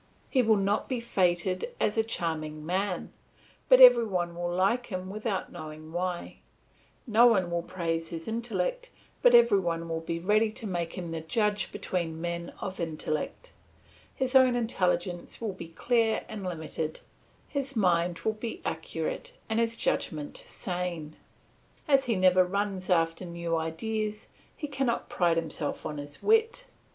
He will not be feted as a charming man, but every one will like him without knowing why; no one will praise his intellect, but every one will be ready to make him the judge between men of intellect; his own intelligence will be clear and limited, his mind will be accurate, and his judgment sane. As he never runs after new ideas, he cannot pride himself on his wit.